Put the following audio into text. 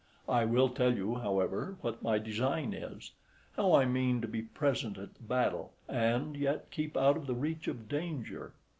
I will tell you, however, what my design is how I mean to be present at the battle and yet keep out of the reach of danger.